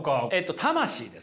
魂です